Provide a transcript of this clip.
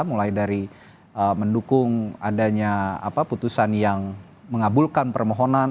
mulai dari mendukung adanya putusan yang mengabulkan permohonan